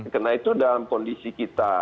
karena itu dalam kondisi kita